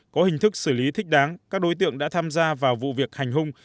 có hình thức xử lý thích đáng các đối tượng đã tham gia vào vụ việc hành hung